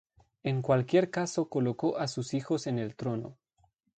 En cualquier caso colocó a sus hijos en el trono.